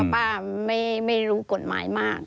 ป้าไม่รู้กฎหมายมาก